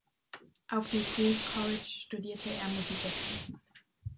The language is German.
Auf dem Queens College studierte er Musikerziehung.